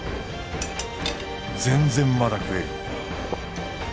全然まだ食える。